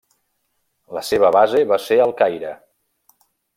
La seva base va ser al Caire.